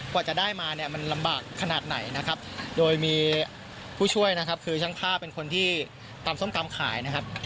กว่าจะได้มามันลำบากขนาดไหนโดยมีผู้ช่วยคือช่างภาพเป็นคนที่ตำส้มตำขาย